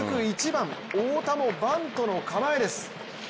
１番太田もバントの構えです。